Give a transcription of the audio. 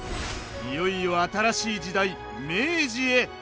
いよいよ新しい時代明治へ！